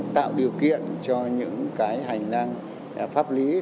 tạo điều kiện cho những cái hành lang pháp lý